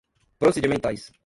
procedimentais